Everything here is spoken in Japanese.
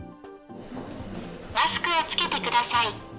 マスクを着けてください。